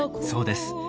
そうです。